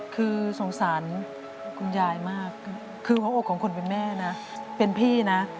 คือสงสารคุณยายมากคือหัวอกของคนเป็นแม่นะเป็นพี่นะ